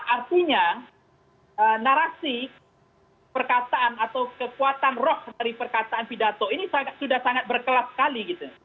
artinya narasi perkataan atau kekuatan roh dari perkataan pidato ini sudah sangat berkelas sekali gitu